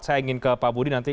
saya ingin ke pak budi nanti